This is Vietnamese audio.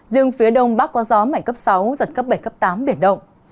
dương phía đông bắc có gió mạnh cấp sáu giật cấp bảy cấp tám biển đông